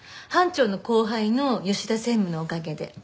班長の後輩の吉田専務のおかげで。